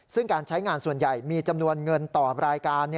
ซึ่งการใช้งานส่วนใหญ่มีจำนวนเงินต่อรายการ